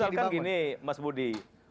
misalkan gini mas budi